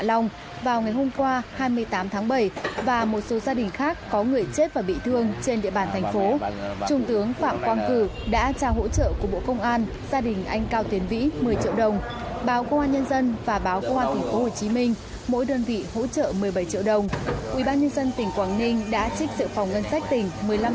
trong ngày hôm nay bộ công an tỉnh quảng ninh tiếp tục phối hợp với các tổ công tác của bộ công an báo công an nhân dân báo công an tp hcm và một số đơn vị nghiệp vụ của bộ công an